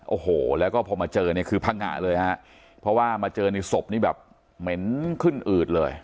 โอ้โหและพอมาเจออันนี้คือพังหาเลยฮะเพราะว่ามาเจอสบนี้เหม็นขึ้นอืดเลย